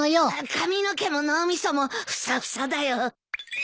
髪の毛も脳みそもふさふさだよ。